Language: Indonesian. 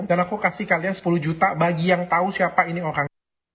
dan aku kasih kalian sepuluh juta bagi yang tahu siapa ini orang